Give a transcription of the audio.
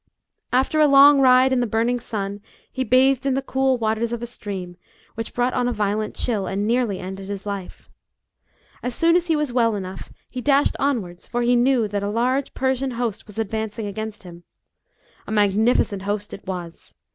After a long ride in the burning sun he bathed in the cool waters of a stream, which brought on a violent chill, and nearly ended his life. As soon as he was well enough, he dashed onwards, for he knew that a large Persian host was advancing against him. A magnificent host it was.